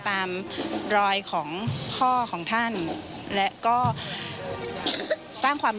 ที่มีโอกาสได้ไปชม